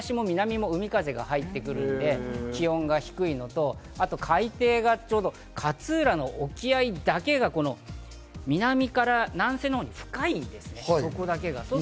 じゃない勝浦のほうだと東も南も海風が入ってくるので気温が低いのと、あと、海底が勝浦の沖合だけが南から南西のほうに深いんですよ、そこだけが。